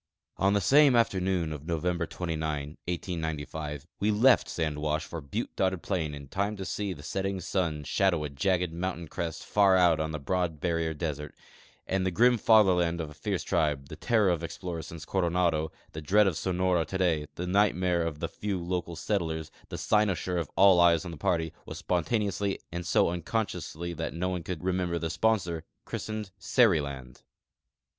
On the same afternoon of November 29, 1895, we left sand wash for butte dotted plain in time to see the setting sun shadow a jagged mountain crest far out on the broad barrier desert; and the grim fatherland of a fierce tribe, the terror of explorers since Coronado, the dread of Sonora today, tlie nightmare of the few local set tlers, the cynosure of all eyes of the party, was spontaneously, and so uncon.sciously that no one could remember the sponsor, chris tened Seriland.